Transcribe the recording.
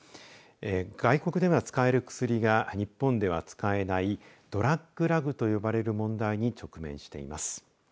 外国では使える薬が日本では使えないドラッグ・ラグと呼ばれる問題に直面しています。